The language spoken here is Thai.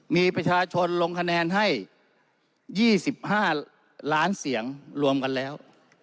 มีประชาชนลงคะแนนให้๒๕ล้านเสียงรวมกันแล้ว